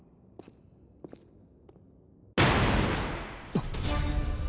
あっ。